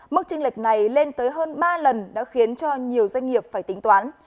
mức tranh lệch này lên tới hơn ba lần đã khiến cho nhiều doanh nghiệp phải tính toán